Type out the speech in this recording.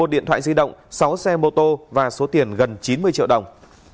một mươi một điện thoại di động sáu xe mô tô và số tiền gần chín mươi triệu đồng